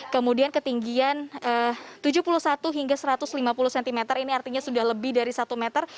kemudian ketinggian tujuh puluh satu hingga satu ratus lima puluh cm ini artinya sudah lebih dari satu meter